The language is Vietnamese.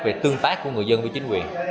về tương tác của người dân với chính quyền